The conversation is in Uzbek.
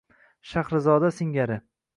Shahrizoda singari.